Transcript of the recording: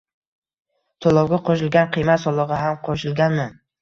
To'lovga qo'shilgan qiymat solig'i ham qo'shilganmi?